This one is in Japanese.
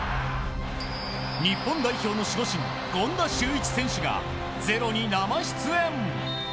日本代表の守護神権田修一選手が「ｚｅｒｏ」に生出演。